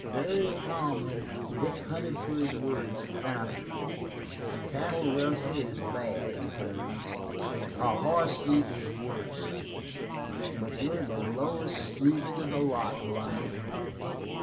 Very calmly, Vic hunted for his words, found them. "A cattle rustler is bad," he pronounced, "a hoss thief is worse, but you're the lowest sneak of the lot, Blondy."